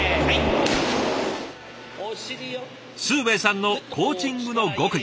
崇英さんのコーチングの極意。